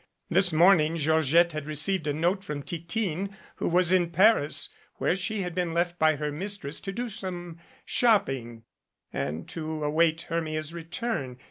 This morning Georgette had received a note from Titine who was in Paris where she had been left by her mistress to do some shopping and to await Hermia's return.